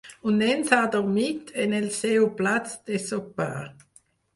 Un nen s'ha adormit en el seu plat del sopar.